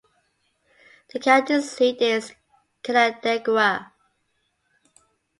The county seat is Canandaigua.